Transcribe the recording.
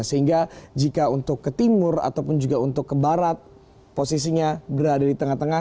sehingga jika untuk ke timur ataupun juga untuk ke barat posisinya berada di tengah tengah